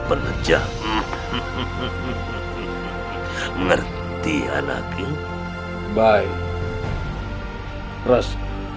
penerja ngerti anaknya baik terus